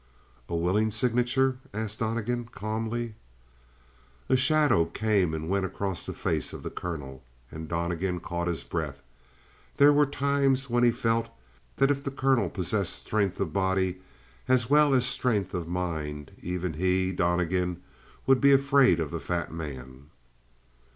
"A willing signature?" asked Donnegan, calmly. A shadow came and went across the face of the colonel, and Donnegan caught his breath. There were times when he felt that if the colonel possessed strength of body as well as strength of mind even he, Donnegan, would be afraid of the fat man.